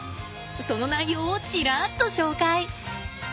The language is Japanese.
その内容をちらっと紹介。